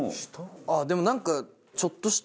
あっでもなんか。